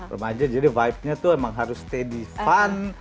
remaja jadi vibe nya tuh emang harus steady fun